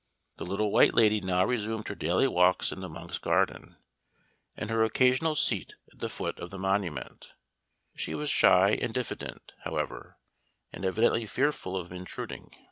The Little White Lady now resumed her daily walks in the Monk's Garden, and her occasional seat at the foot of the monument; she was shy and diffident, however, and evidently fearful of intruding.